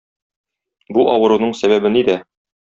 Бу авыруның сәбәбе нидә?